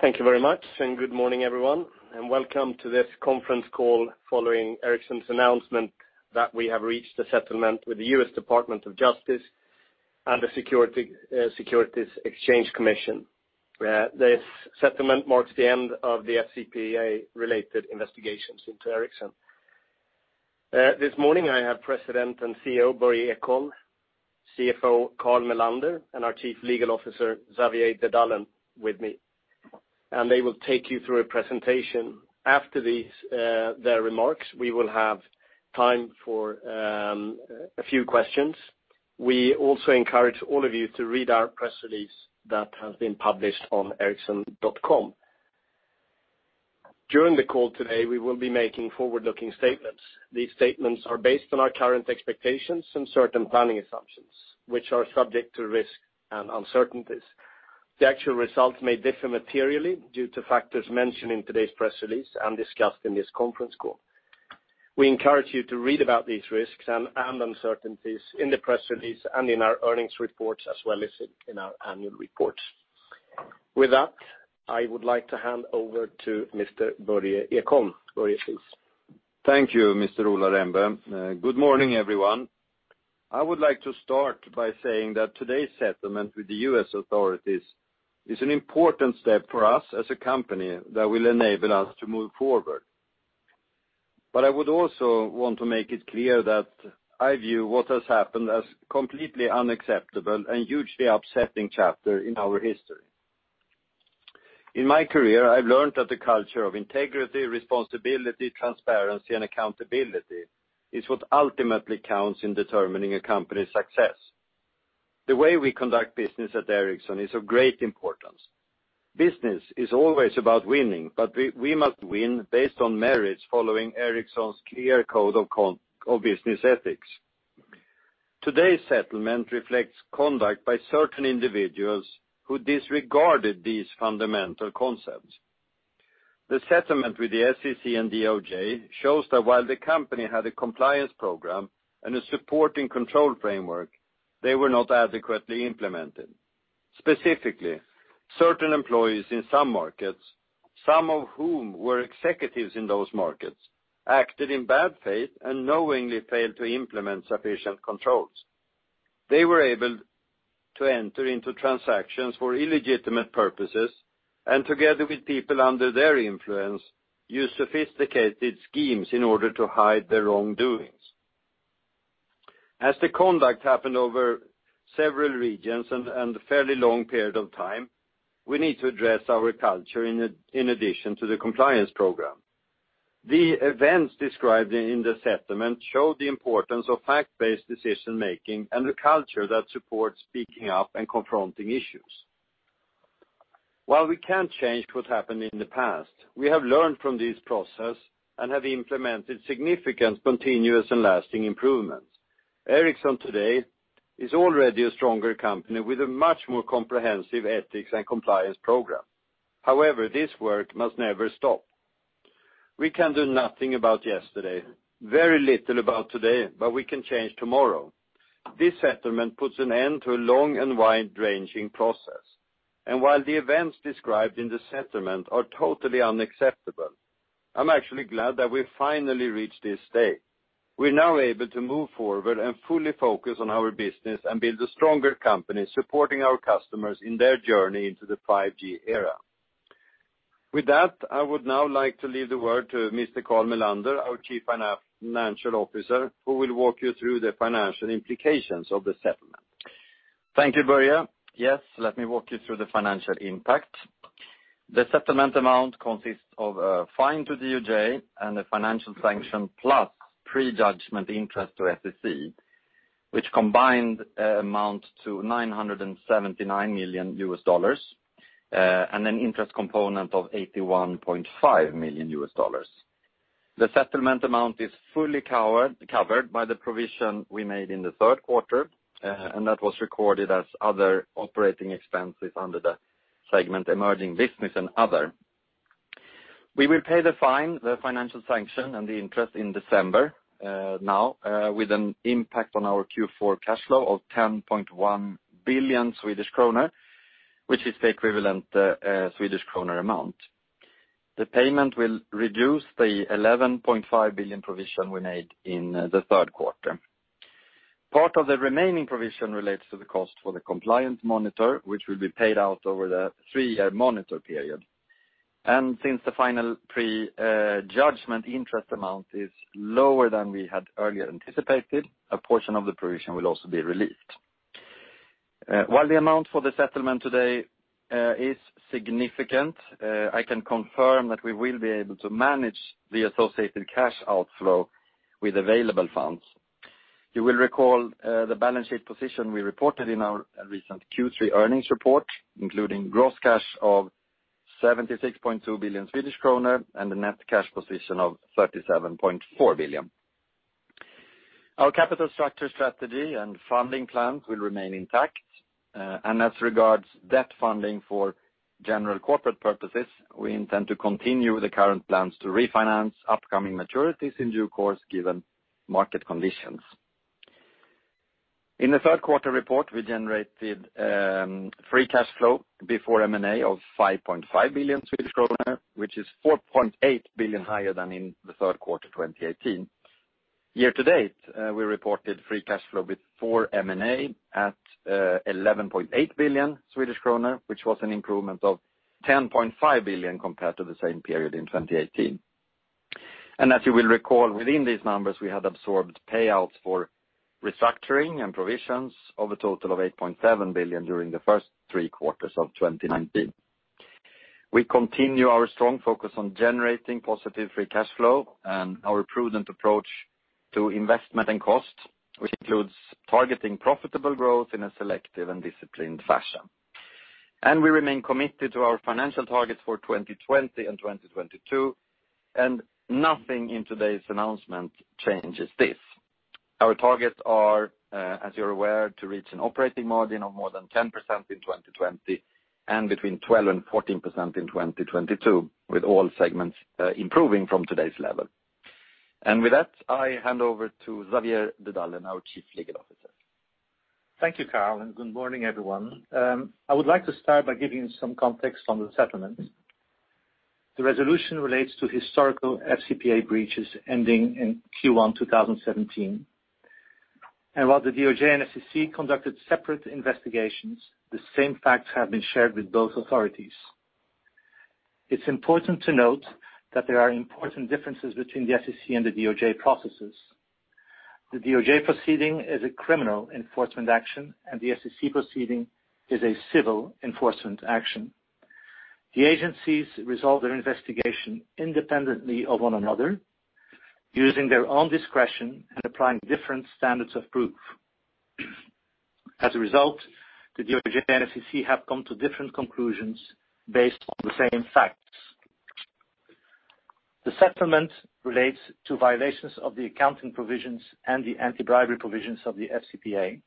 Thank you very much. Good morning, everyone, and welcome to this conference call following Ericsson's announcement that we have reached a settlement with the U.S. Department of Justice and the Securities and Exchange Commission. This settlement marks the end of the FCPA-related investigations into Ericsson. This morning, I have President and CEO Börje Ekholm, CFO Carl Mellander, and our Chief Legal Officer, Xavier Dedullen, with me. They will take you through a presentation. After their remarks, we will have time for a few questions. We also encourage all of you to read our press release that has been published on ericsson.com. During the call today, we will be making forward-looking statements. These statements are based on our current expectations and certain planning assumptions, which are subject to risk and uncertainties. The actual results may differ materially due to factors mentioned in today's press release and discussed in this conference call. We encourage you to read about these risks and uncertainties in the press release and in our earnings reports, as well as in our annual reports. I would like to hand over to Mr. Börje Ekholm. Börje, please. Thank you, Mr. Ola Rembe. Good morning, everyone. I would like to start by saying that today's settlement with the U.S. authorities is an important step for us as a company that will enable us to move forward. I would also want to make it clear that I view what has happened as completely unacceptable and hugely upsetting chapter in our history. In my career, I've learned that the culture of integrity, responsibility, transparency, and accountability is what ultimately counts in determining a company's success. The way we conduct business at Ericsson is of great importance. Business is always about winning, but we must win based on merits following Ericsson's clear code of business ethics. Today's settlement reflects conduct by certain individuals who disregarded these fundamental concepts. The settlement with the SEC and DOJ shows that while the company had a compliance program and a supporting control framework, they were not adequately implemented. Specifically, certain employees in some markets, some of whom were executives in those markets, acted in bad faith and knowingly failed to implement sufficient controls. They were able to enter into transactions for illegitimate purposes and together with people under their influence, use sophisticated schemes in order to hide their wrongdoings. As the conduct happened over several regions and a fairly long period of time, we need to address our culture in addition to the compliance program. The events described in the settlement show the importance of fact-based decision making and the culture that supports speaking up and confronting issues. While we can't change what happened in the past, we have learned from this process and have implemented significant, continuous, and lasting improvements. Ericsson today is already a stronger company with a much more comprehensive ethics and compliance program. However, this work must never stop. We can do nothing about yesterday, very little about today, but we can change tomorrow. This settlement puts an end to a long and wide-ranging process. While the events described in the settlement are totally unacceptable, I'm actually glad that we finally reached this stage. We're now able to move forward and fully focus on our business and build a stronger company supporting our customers in their journey into the 5G era. With that, I would now like to leave the word to Mr. Carl Mellander, our Chief Financial Officer, who will walk you through the financial implications of the settlement. Thank you, Börje. Yes, let me walk you through the financial impact. The settlement amount consists of a fine to DOJ and a financial sanction plus prejudgment interest to SEC, which combined amount to $979 million and an interest component of $81.5 million. The settlement amount is fully covered by the provision we made in the third quarter, and that was recorded as other operating expenses under the segment emerging business and other. We will pay the fine, the financial sanction, and the interest in December now, with an impact on our Q4 cash flow of 10.1 billion Swedish kronor, which is the equivalent Swedish krona amount. The payment will reduce the 11.5 billion provision we made in the third quarter. Part of the remaining provision relates to the cost for the compliance monitor, which will be paid out over the three-year monitor period. Since the final prejudgment interest amount is lower than we had earlier anticipated, a portion of the provision will also be released. While the amount for the settlement today is significant, I can confirm that we will be able to manage the associated cash outflow with available funds. You will recall the balance sheet position we reported in our recent Q3 earnings report, including gross cash of 76.2 billion Swedish kronor and a net cash position of 37.4 billion SEK. Our capital structure strategy and funding plans will remain intact. As regards debt funding for general corporate purposes, we intend to continue with the current plans to refinance upcoming maturities in due course, given market conditions. In the third quarter report, we generated free cash flow before M&A of 5.5 billion Swedish kronor, which is 4.8 billion SEK higher than in the third quarter 2018. Year to date, we reported free cash flow before M&A at 11.8 billion Swedish kronor, which was an improvement of 10.5 billion compared to the same period in 2018. As you will recall, within these numbers, we had absorbed payouts for restructuring and provisions of a total of 8.7 billion during the first three quarters of 2019. We continue our strong focus on generating positive free cash flow and our prudent approach to investment and cost, which includes targeting profitable growth in a selective and disciplined fashion. We remain committed to our financial targets for 2020 and 2022, and nothing in today's announcement changes this. Our targets are, as you're aware, to reach an operating margin of more than 10% in 2020, and between 12% and 14% in 2022, with all segments improving from today's level. With that, I hand over to Xavier Dedullen, our Chief Legal Officer. Thank you, Carl, and good morning, everyone. I would like to start by giving some context on the settlement. The resolution relates to historical FCPA breaches ending in Q1 2017. While the DOJ and SEC conducted separate investigations, the same facts have been shared with both authorities. It's important to note that there are important differences between the SEC and the DOJ processes. The DOJ proceeding is a criminal enforcement action, and the SEC proceeding is a civil enforcement action. The agencies resolve their investigation independently of one another, using their own discretion and applying different standards of proof. As a result, the DOJ and SEC have come to different conclusions based on the same facts. The settlement relates to violations of the accounting provisions and the anti-bribery provisions of the FCPA.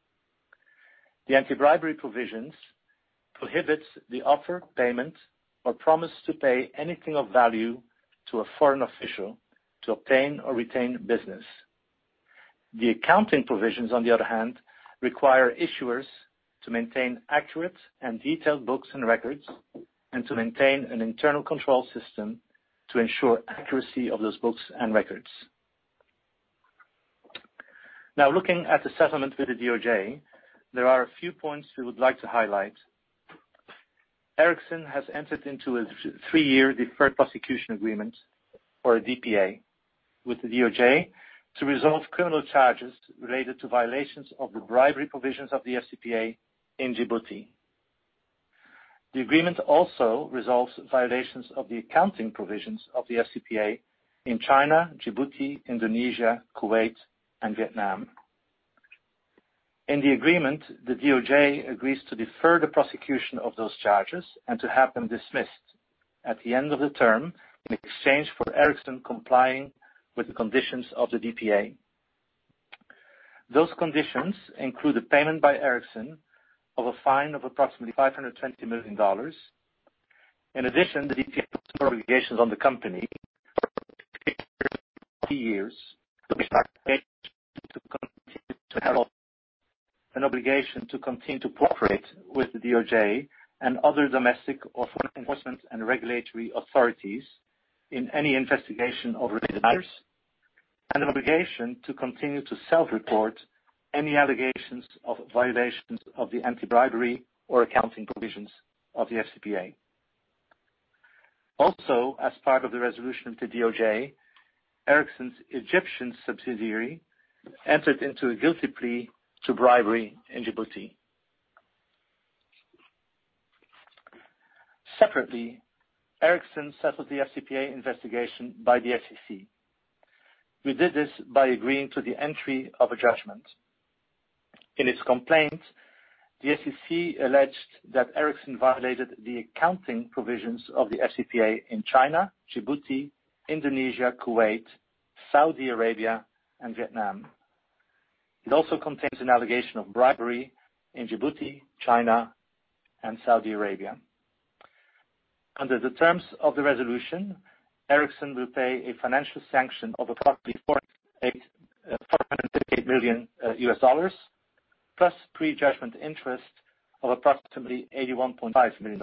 The anti-bribery provisions prohibits the offer of payment or promise to pay anything of value to a foreign official to obtain or retain business. The accounting provisions, on the other hand, require issuers to maintain accurate and detailed books and records and to maintain an internal control system to ensure accuracy of those books and records. Now, looking at the settlement with the DOJ, there are a few points we would like to highlight. Ericsson has entered into a three-year deferred prosecution agreement or a DPA with the DOJ to resolve criminal charges related to violations of the bribery provisions of the FCPA in Djibouti. The agreement also resolves violations of the accounting provisions of the FCPA in China, Djibouti, Indonesia, Kuwait, and Vietnam. In the agreement, the DOJ agrees to defer the prosecution of those charges and to have them dismissed at the end of the term in exchange for Ericsson complying with the conditions of the DPA. Those conditions include the payment by Ericsson of a fine of approximately $520 million. In addition, the DPA puts obligations on the company for up to three years. The obligations include an obligation to continue to cooperate with the DOJ and other domestic or foreign enforcement and regulatory authorities in any investigation of related matters, and an obligation to continue to self-report any allegations of violations of the anti-bribery or accounting provisions of the FCPA. Also, as part of the resolution with the DOJ, Ericsson's Egyptian subsidiary entered into a guilty plea to bribery in Djibouti. Separately, Ericsson settled the FCPA investigation by the SEC. We did this by agreeing to the entry of a judgment. In its complaint, the SEC alleged that Ericsson violated the accounting provisions of the FCPA in China, Djibouti, Indonesia, Kuwait, Saudi Arabia, and Vietnam. It also contains an allegation of bribery in Djibouti, China, and Saudi Arabia. Under the terms of the resolution, Ericsson will pay a financial sanction of approximately $458 million, plus pre-judgment interest of approximately $81.5 million.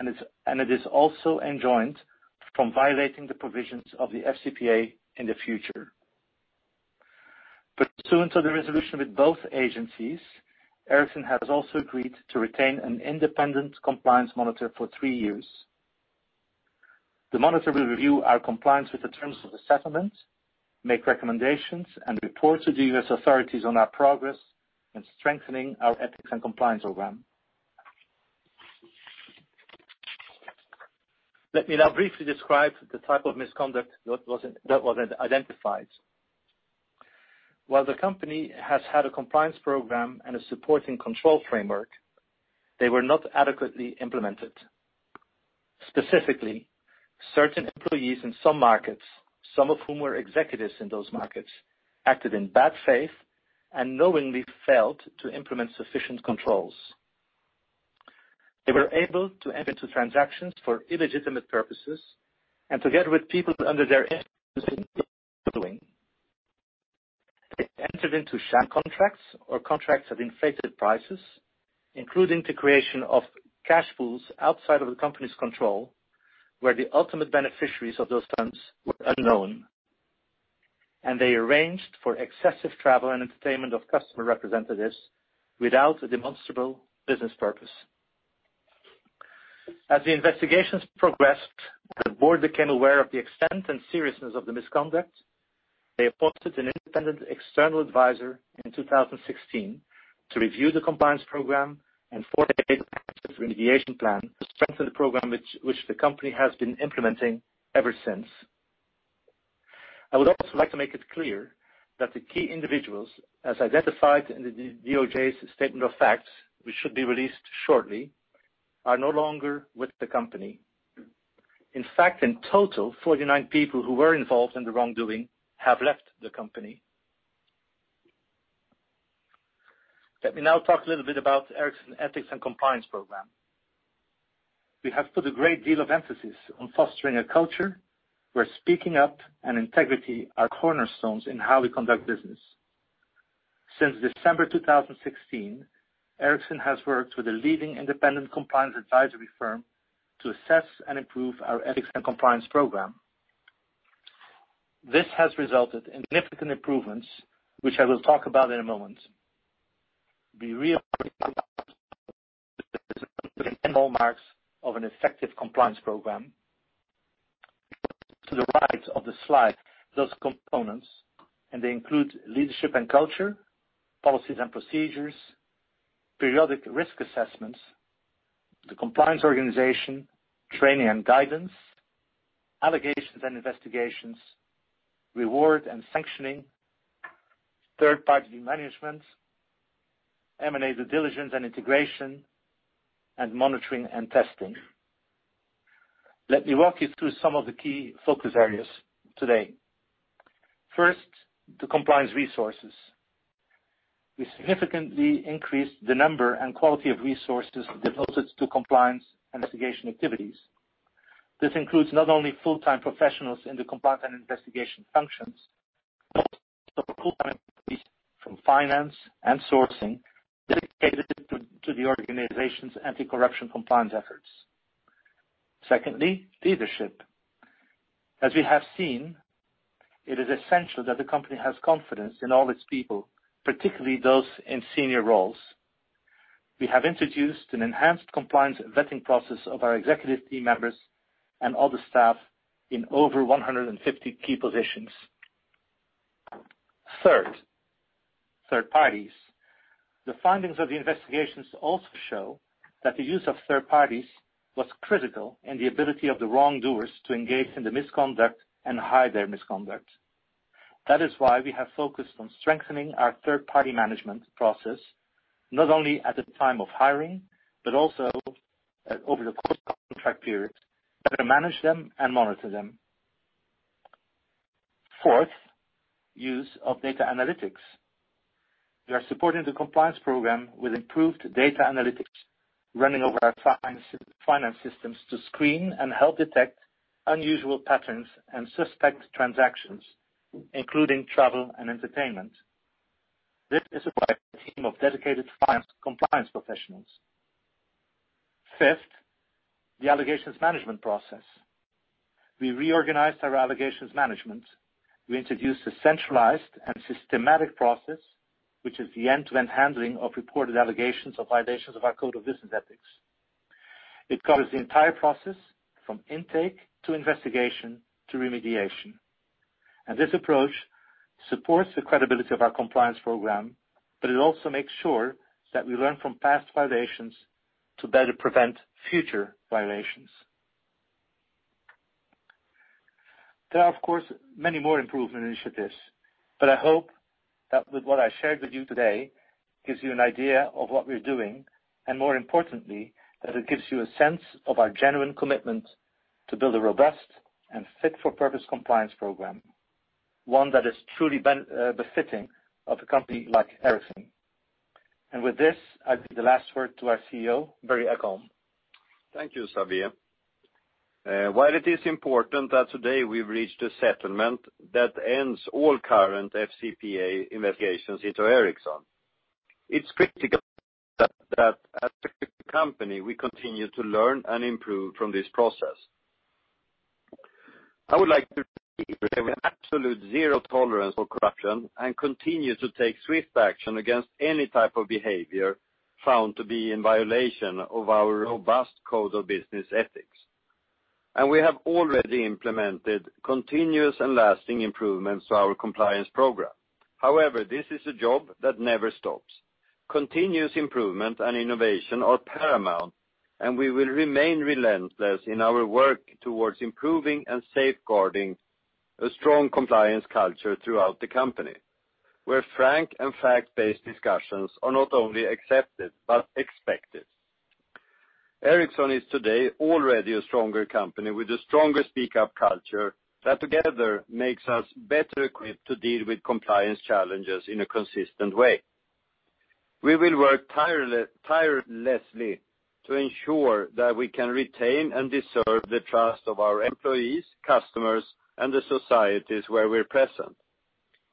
It is also enjoined from violating the provisions of the FCPA in the future. Pursuant to the resolution with both agencies, Ericsson has also agreed to retain an independent compliance monitor for three years. The monitor will review our compliance with the terms of assessment, make recommendations, and report to the U.S. authorities on our progress in strengthening our ethics and compliance program. Let me now briefly describe the type of misconduct that was identified. While the company has had a compliance program and a supporting control framework, they were not adequately implemented. Specifically, certain employees in some markets, some of whom were executives in those markets, acted in bad faith and knowingly failed to implement sufficient controls. They were able to enter into transactions for illegitimate purposes, and together with people under their influence they entered into sham contracts or contracts at inflated prices, including the creation of cash pools outside of the company's control, where the ultimate beneficiaries of those funds were unknown, and they arranged for excessive travel and entertainment of customer representatives without a demonstrable business purpose. As the investigations progressed, the board became aware of the extent and seriousness of the misconduct. They appointed an independent external adviser in 2016 to review the compliance program and formulate an active remediation plan to strengthen the program, which the company has been implementing ever since. I would also like to make it clear that the key individuals, as identified in the DOJ's statement of facts, which should be released shortly, are no longer with the company. In fact, in total, 49 people who were involved in the wrongdoing have left the company. Let me now talk a little bit about Ericsson Ethics and Compliance Program. We have put a great deal of emphasis on fostering a culture where speaking up and integrity are cornerstones in how we conduct business. Since December 2016, Ericsson has worked with a leading independent compliance advisory firm to assess and improve our ethics and compliance program. This has resulted in significant improvements, which I will talk about in one moment. Be real marks of an effective compliance program. To the right of the slide, those components, and they include leadership and culture, policies and procedures, periodic risk assessments, the compliance organization, training and guidance, allegations and investigations, reward and sanctioning, third-party management, M&A due diligence and integration, and monitoring and testing. Let me walk you through some of the key focus areas today. First, the compliance resources. We significantly increased the number and quality of resources devoted to compliance investigation activities. This includes not only full-time professionals in the compliance and investigation functions, but also from finance and sourcing dedicated to the organization's anti-corruption compliance efforts. Secondly, leadership. As we have seen, it is essential that the company has confidence in all its people, particularly those in senior roles. We have introduced an enhanced compliance vetting process of our executive team members and other staff in over 150 key positions. Third, third parties. The findings of the investigations also show that the use of third parties was critical in the ability of the wrongdoers to engage in the misconduct and hide their misconduct. That is why we have focused on strengthening our third-party management process, not only at the time of hiring, but also over the course of contract periods, better manage them and monitor them. Fourth, use of data analytics. We are supporting the compliance program with improved data analytics running over our finance systems to screen and help detect unusual patterns and suspect transactions, including travel and entertainment. This is why a team of dedicated finance compliance professionals. Fifth, the allegations management process. We reorganized our allegations management. We introduced a centralized and systematic process, which is the end-to-end handling of reported allegations of violations of our code of business ethics. It covers the entire process from intake to investigation to remediation. This approach supports the credibility of our compliance program, but it also makes sure that we learn from past violations to better prevent future violations. There are, of course, many more improvement initiatives, but I hope that with what I shared with you today gives you an idea of what we're doing, and more importantly, that it gives you a sense of our genuine commitment to build a robust and fit-for-purpose compliance program, one that is truly befitting of a company like Ericsson. With this, I give the last word to our CEO, Börje Ekholm. Thank you, Xavier. While it is important that today we've reached a settlement that ends all current FCPA investigations into Ericsson, it's critical that as a company, we continue to learn and improve from this process. I would like to have absolute zero tolerance for corruption and continue to take swift action against any type of behavior found to be in violation of our robust code of business ethics. We have already implemented continuous and lasting improvements to our compliance program. However, this is a job that never stops. Continuous improvement and innovation are paramount, and we will remain relentless in our work towards improving and safeguarding a strong compliance culture throughout the company, where frank and fact-based discussions are not only accepted but expected. Ericsson is today already a stronger company with a stronger speak-up culture that together makes us better equipped to deal with compliance challenges in a consistent way. We will work tirelessly to ensure that we can retain and deserve the trust of our employees, customers, and the societies where we're present.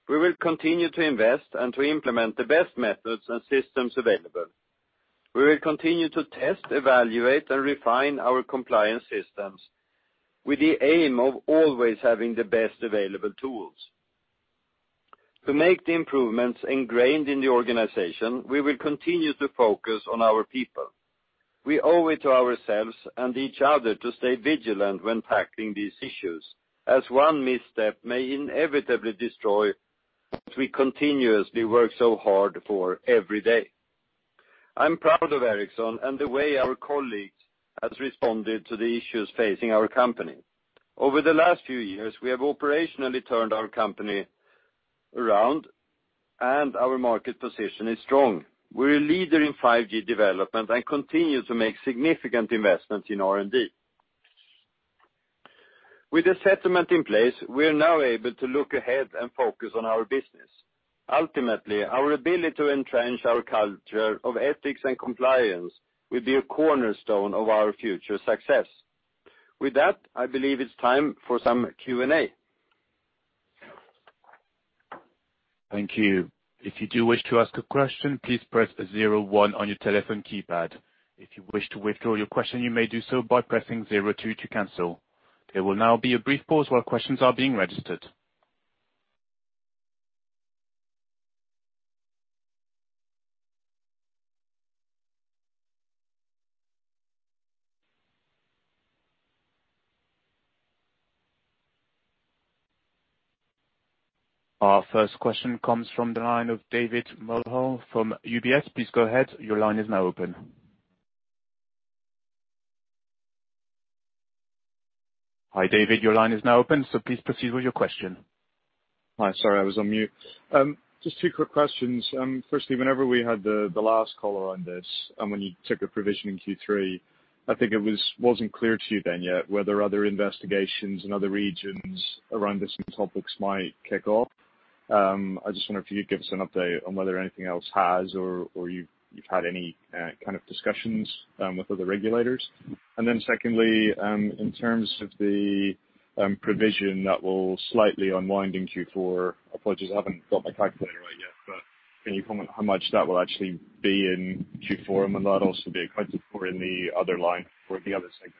We will continue to invest and to implement the best methods and systems available. We will continue to test, evaluate, and refine our compliance systems with the aim of always having the best available tools. To make the improvements ingrained in the organization, we will continue to focus on our people. We owe it to ourselves and each other to stay vigilant when tackling these issues, as one misstep may inevitably destroy what we continuously work so hard for every day. I'm proud of Ericsson and the way our colleagues has responded to the issues facing our company. Over the last few years, we have operationally turned our company around, and our market position is strong. We're a leader in 5G development and continue to make significant investments in R&D. With the settlement in place, we are now able to look ahead and focus on our business. Ultimately, our ability to entrench our culture of ethics and compliance will be a cornerstone of our future success. With that, I believe it's time for some Q&A. Thank you. If you do wish to ask a question, please press 01 on your telephone keypad. If you wish to withdraw your question, you may do so by pressing 02 to cancel. There will now be a brief pause while questions are being registered. Our first question comes from the line of David Mulholland from UBS. Please go ahead. Your line is now open. Hi, David. Your line is now open, so please proceed with your question. Hi. Sorry, I was on mute. Just two quick questions. Firstly, whenever we had the last call on this, and when you took a provision in Q3, I think it wasn't clear to you then yet whether other investigations in other regions around this topics might kick off. I just wonder if you could give us an update on whether anything else has or you've had any kind of discussions with other regulators. Secondly, in terms of the provision that will slightly unwind in Q4, apologies, I haven't got my calculator right yet, but can you comment how much that will actually be in Q4? Will that also be accounted for in the other line for the other segment?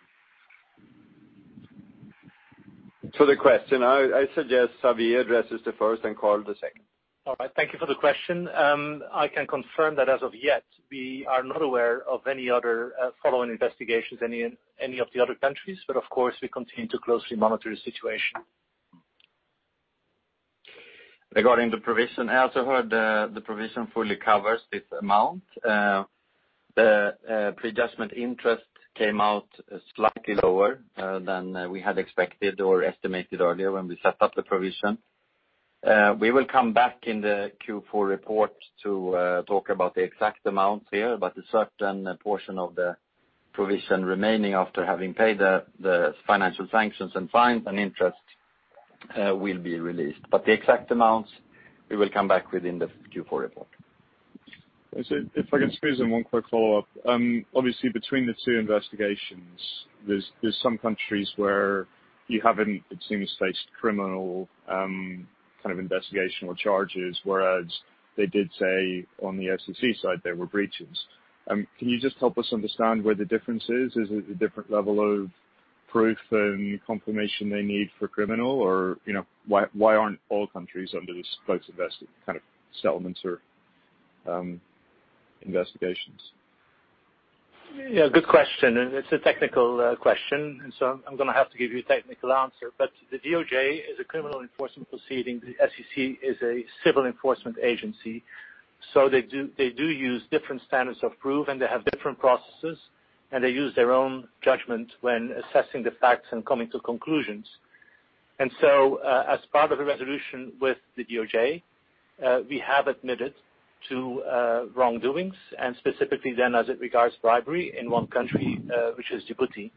The question, I suggest Xavier addresses the first and Carl the second. All right. Thank you for the question. I can confirm that as of yet, we are not aware of any other following investigations in any of the other countries. Of course, we continue to closely monitor the situation. Regarding the provision, as I heard, the provision fully covers this amount. The prejudgment interest came out slightly lower than we had expected or estimated earlier when we set up the provision. We will come back in the Q4 report to talk about the exact amount here, but a certain portion of the provision remaining after having paid the financial sanctions and fines and interest will be released. The exact amounts, we will come back with in the Q4 report. If I can squeeze in one quick follow-up. Obviously, between the two investigations, there's some countries where you haven't, it seems, faced criminal investigational charges, whereas they did say on the SEC side there were breaches. Can you just help us understand where the difference is? Is it a different level of proof and confirmation they need for criminal? Why aren't all countries under this both involved kind of settlements or investigations? Yeah, good question, and it's a technical question. I'm going to have to give you a technical answer. The DOJ is a criminal enforcement proceeding. The SEC is a civil enforcement agency. They do use different standards of proof, and they have different processes, and they use their own judgment when assessing the facts and coming to conclusions. As part of the resolution with the DOJ, we have admitted to wrongdoings and specifically then as it regards bribery in one country, which is Djibouti.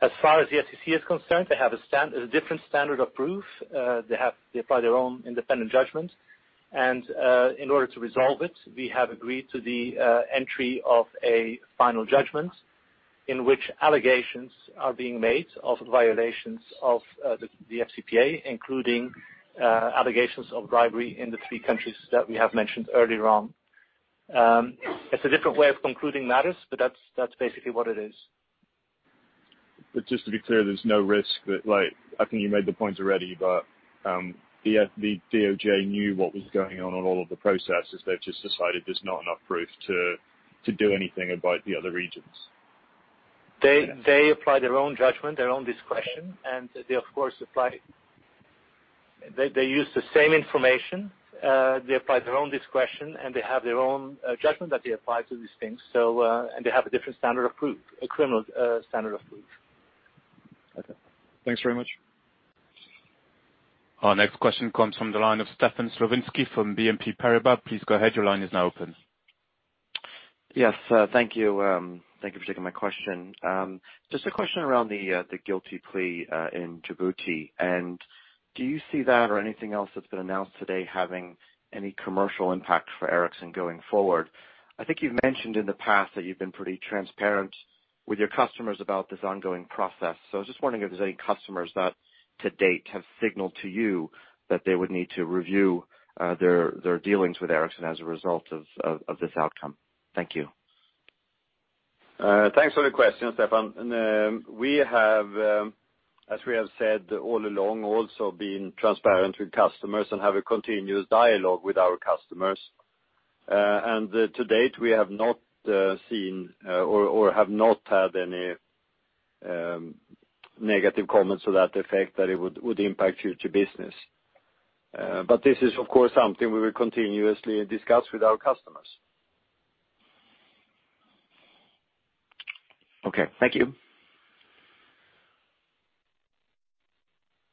As far as the SEC is concerned, they have a different standard of proof. They apply their own independent judgment. In order to resolve it, we have agreed to the entry of a final judgment in which allegations are being made of violations of the FCPA, including allegations of bribery in the three countries that we have mentioned earlier on. It's a different way of concluding matters, that's basically what it is. Just to be clear, there's no risk, I think you made the point already, but the DOJ knew what was going on all of the processes. They've just decided there's not enough proof to do anything about the other regions. They apply their own judgment, their own discretion, and they use the same information. They apply their own discretion, and they have their own judgment that they apply to these things. They have a different standard of proof, a criminal standard of proof. Okay. Thanks very much. Our next question comes from the line of Stefan Slowinski from BNP Paribas. Please go ahead. Your line is now open. Yes. Thank you for taking my question. Just a question around the guilty plea in Djibouti, and do you see that or anything else that's been announced today having any commercial impact for Ericsson going forward? I think you've mentioned in the past that you've been pretty transparent with your customers about this ongoing process. I was just wondering if there's any customers that to date have signaled to you that they would need to review their dealings with Ericsson as a result of this outcome. Thank you. Thanks for the question, Stefan. We have, as we have said all along, also been transparent with customers and have a continuous dialogue with our customers. To date, we have not seen or have not had any negative comments to that effect that it would impact future business. This is, of course, something we will continuously discuss with our customers. Okay. Thank you.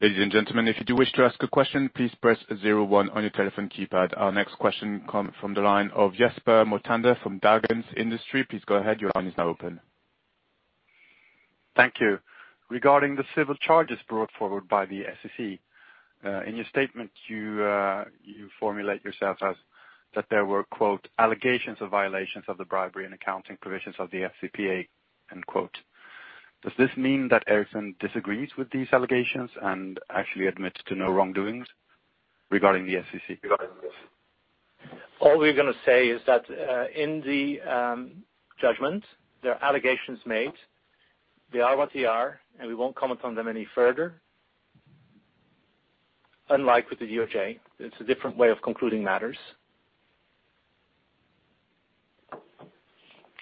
Ladies and gentlemen, if you do wish to ask a question, please press zero one on your telephone keypad. Our next question come from the line of Jesper Mothander from Dagens Industri. Please go ahead. Your line is now open. Thank you. Regarding the civil charges brought forward by the SEC, in your statement, you formulate yourself as that there were, quote, "Allegations of violations of the bribery and accounting provisions of the FCPA." Does this mean that Ericsson disagrees with these allegations and actually admits to no wrongdoings regarding the SEC? All we're going to say is that, in the judgment, there are allegations made. They are what they are, and we won't comment on them any further. Unlike with the DOJ, it's a different way of concluding matters.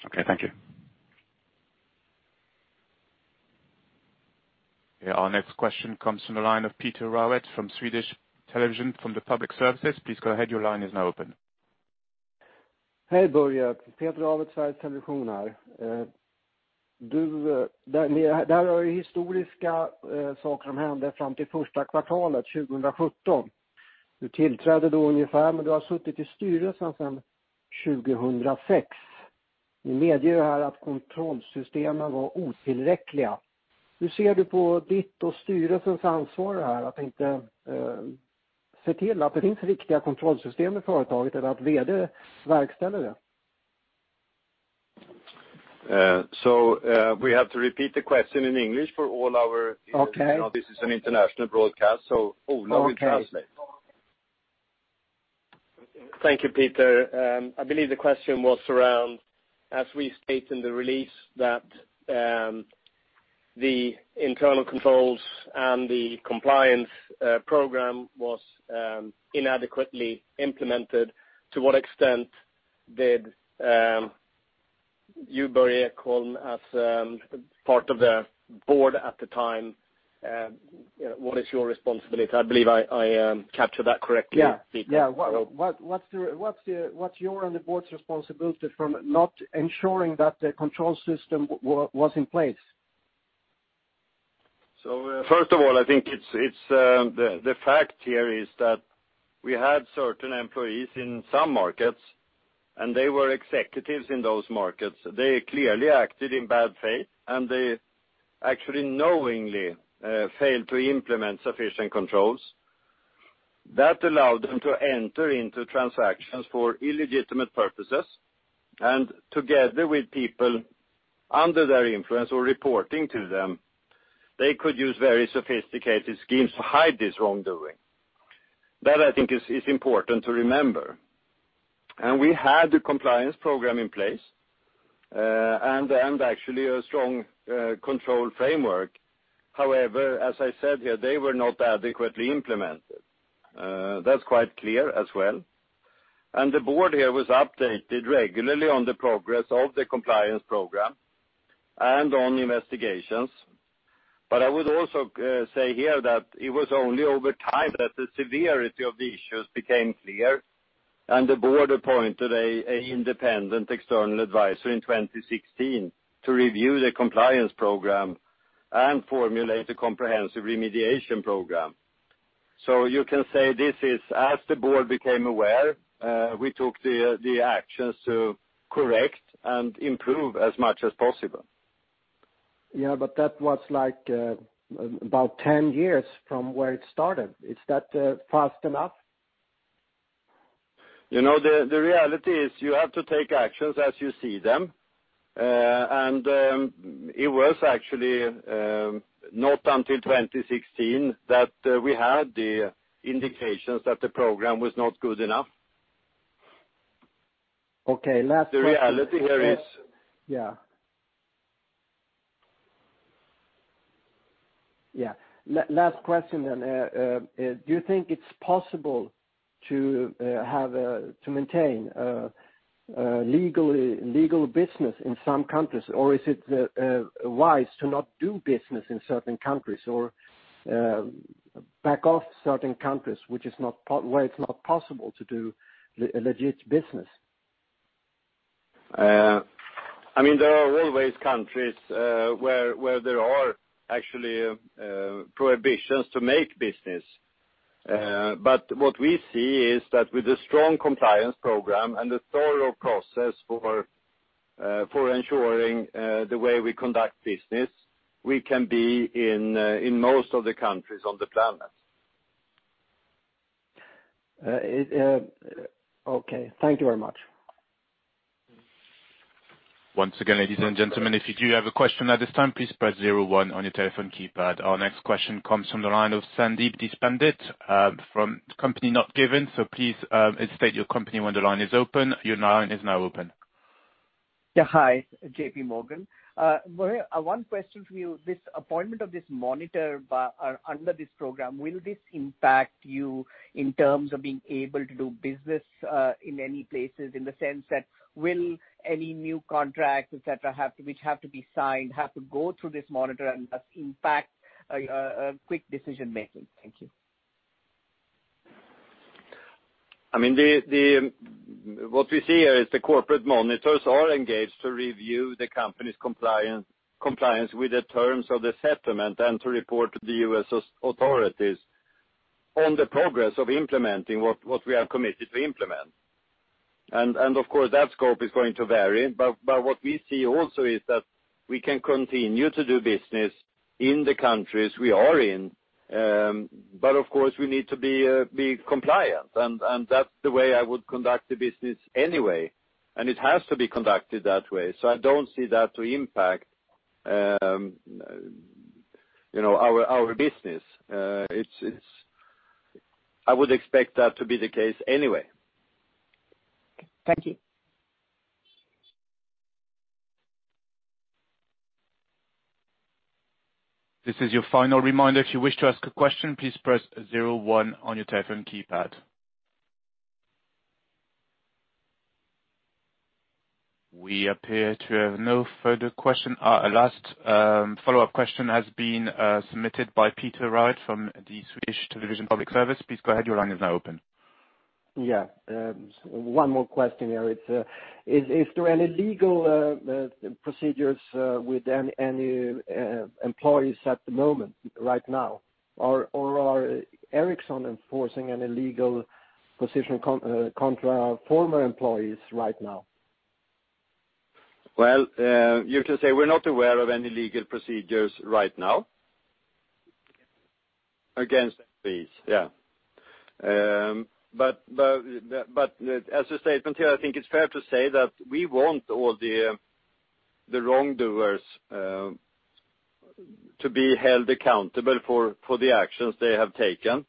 Okay. Thank you. Yeah, our next question comes from the line of Peter Rawet from Swedish Television, from the public services. Please go ahead. Your line is now open. Hey, Börje. Peter Rawet, Swedish Television. We have to repeat the question in English for all our. Okay. This is an international broadcast, so Ola will translate. Okay. Thank you, Peter. I believe the question was around, as we state in the release, that the internal controls and the compliance program was inadequately implemented. To what extent did you, Börje Ekholm, as part of the board at the time, what is your responsibility? I believe I capture that correctly, Peter. Yeah. What's your and the board's responsibility for not ensuring that the control system was in place? First of all, I think the fact here is that we had certain employees in some markets, and they were executives in those markets. They clearly acted in bad faith, and they actually knowingly failed to implement sufficient controls that allowed them to enter into transactions for illegitimate purposes. Together with people under their influence or reporting to them, they could use very sophisticated schemes to hide this wrongdoing. That, I think, is important to remember. We had the compliance program in place, and actually a strong control framework. However, as I said here, they were not adequately implemented. That's quite clear as well. The board here was updated regularly on the progress of the compliance program and on investigations. I would also say here that it was only over time that the severity of the issues became clear, and the board appointed an independent external advisor in 2016 to review the compliance program and formulate a comprehensive remediation program. You can say this is as the board became aware, we took the actions to correct and improve as much as possible. Yeah, that was about 10 years from where it started. Is that fast enough? The reality is you have to take actions as you see them. It was actually not until 2016 that we had the indications that the program was not good enough. Okay, last question. The reality here is- Yeah. Last question then. Do you think it's possible to maintain legal business in some countries, or is it wise to not do business in certain countries or back off certain countries where it's not possible to do a legit business? There are always countries where there are actually prohibitions to make business. What we see is that with a strong compliance program and a thorough process for ensuring the way we conduct business, we can be in most of the countries on the planet. Okay. Thank you very much. Once again, ladies and gentlemen, if you do have a question at this time, please press 01 on your telephone keypad. Our next question comes from the line of Sandeep Deshpande from company not given. Please state your company when the line is open. Your line is now open. Hi, JPMorgan. Börje, one question for you. This appointment of this monitor under this program, will this impact you in terms of being able to do business in any places, in the sense that will any new contracts, et cetera, which have to be signed, have to go through this monitor and thus impact quick decision-making? Thank you. What we see here is the corporate monitors are engaged to review the company's compliance with the terms of the settlement and to report to the U.S. authorities on the progress of implementing what we have committed to implement. Of course, that scope is going to vary. What we see also is that we can continue to do business in the countries we are in. Of course, we need to be compliant. That's the way I would conduct the business anyway. It has to be conducted that way. I don't see that to impact our business. I would expect that to be the case anyway. Thank you. This is your final reminder. If you wish to ask a question, please press 01 on your telephone keypad. We appear to have no further question. Last follow-up question has been submitted by Peter Rawet from the Sveriges Television Public Service. Please go ahead. Your line is now open. Yeah. One more question here. Is there any legal procedures with any employees at the moment, right now? Are Ericsson enforcing any legal position contra former employees right now? Well, you can say we are not aware of any legal procedures right now against employees. As a statement here, I think it is fair to say that we want all the wrongdoers to be held accountable for the actions they have taken.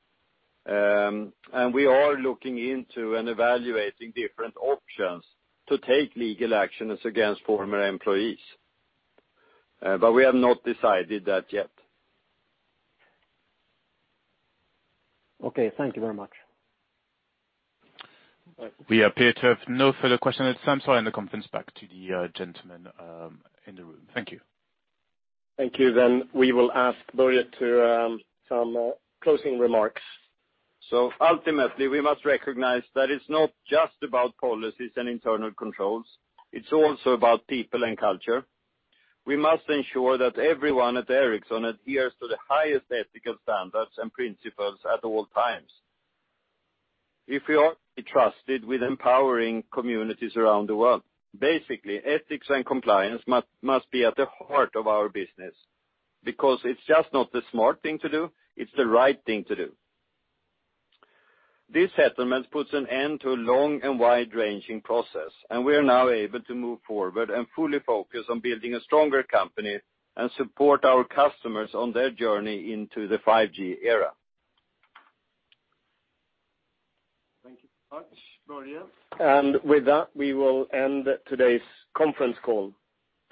We are looking into and evaluating different options to take legal actions against former employees. We have not decided that yet. Okay. Thank you very much. We appear to have no further questions at this time. I hand the conference back to the gentleman in the room. Thank you. Thank you. We will ask Börje to some closing remarks. Ultimately, we must recognize that it's not just about policies and internal controls. It's also about people and culture. We must ensure that everyone at Ericsson adheres to the highest ethical standards and principles at all times. If we are to be trusted with empowering communities around the world, basically, ethics and compliance must be at the heart of our business because it's just not the smart thing to do, it's the right thing to do. This settlement puts an end to a long and wide-ranging process, and we are now able to move forward and fully focus on building a stronger company and support our customers on their journey into the 5G era. Thank you so much, Börje. With that, we will end today's conference call.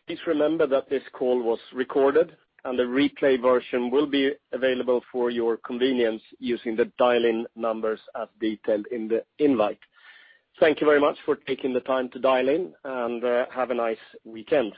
Please remember that this call was recorded, and a replay version will be available for your convenience using the dial-in numbers as detailed in the invite. Thank you very much for taking the time to dial in, and have a nice weekend.